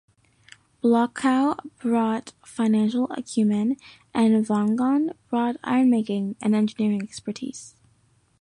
Bolckow brought financial acumen, and Vaughan brought ironmaking and engineering expertise.